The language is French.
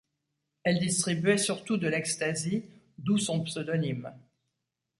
Elle distribuait surtout de l'ecstasy, d'où son pseudonyme.